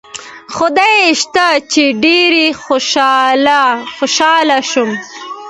خدای شته چې ډېر خوشاله شوم.